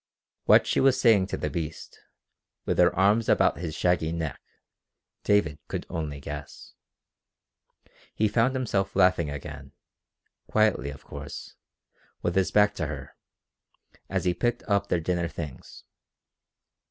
What she was saying to the beast, with her arms about his shaggy neck, David could only guess. He found himself laughing again, quietly of course, with his back to her, as he picked up their dinner things.